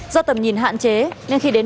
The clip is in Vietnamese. do tầm nhìn hạn chế nên khi đến